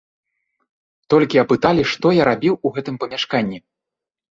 Толькі апыталі, што я рабіў у гэтым памяшканні.